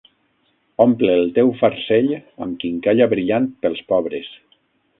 Omple el teu farcell amb quincalla brillant pels pobres.